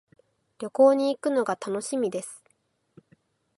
旅行に行くのが楽しみです。